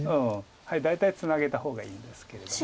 大体ツナげた方がいいんですけれども。